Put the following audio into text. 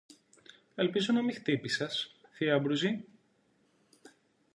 Ελπίζω να μη χτύπησες, θείε Αμπρουζή;